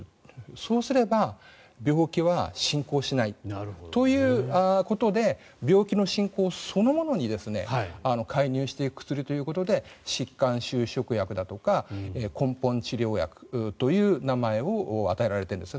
そうすれば病気は進行しないということで病気の進行そのものに介入していく薬ということで疾患収縮薬だとか根本治療薬という名前を与えられているんですね。